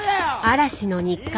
嵐の日課。